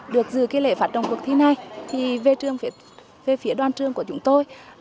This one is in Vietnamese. được dự lễ phát trong cuộc thi này về phía đoàn trường của chúng tôi